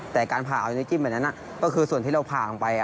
แต่การผ่าเอาในจิ้มแบบนั้นก็คือส่วนที่เราผ่าลงไป